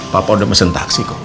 papa udah mesen taksi kok